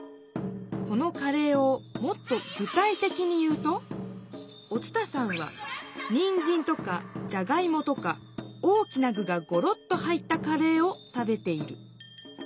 このカレーをもっと具体的に言うと「お伝さんはニンジンとかジャガイモとか大きな具がゴロッと入ったカレーを食べている」。